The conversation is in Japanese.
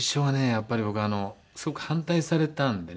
やっぱり僕すごく反対されたんでね。